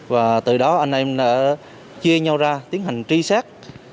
và từ đó anh em đã chia nhau ra tiến hành tri sát